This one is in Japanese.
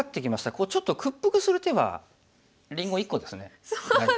こうちょっと屈服する手はりんご１個ですね大体。